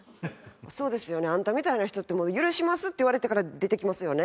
そうですよねあんたみたいな人って「許します」って言われてから出てきますよね。